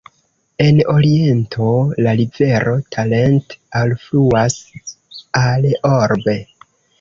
En oriento la rivero Talent alfluas al Orbe.